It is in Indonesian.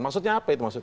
maksudnya apa itu